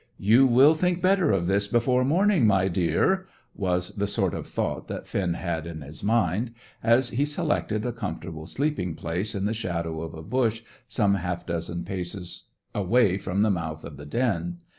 "You will think better of this before morning, my dear!" was the sort of thought that Finn had in his mind, as he selected a comfortable sleeping place in the shadow of a bush some half dozen paces away from the mouth of the den.